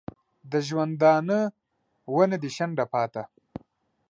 د ژوندانه ونه دي شنډه پاته